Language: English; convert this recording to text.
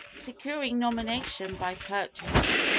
Securing nomination by purchase.